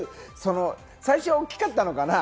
最初は大きかったのかな？